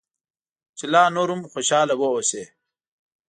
چې لا نور هم خوشاله واوسې.